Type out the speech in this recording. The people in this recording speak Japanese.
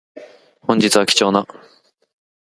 本日は貴重な